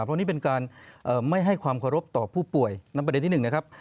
เพราะนี่เป็นการไม่ให้ความเคารพต่อผู้ป่วยนั้นประเด็นที่หนึ่งนะครับ